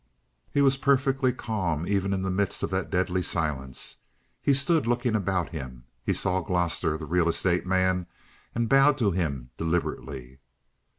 He was perfectly calm even in the midst of that deadly silence. He stood looking about him. He saw Gloster, the real estate man, and bowed to him deliberately.